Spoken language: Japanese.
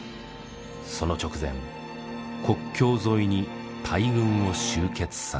その直前国境沿いに大軍を集結させて。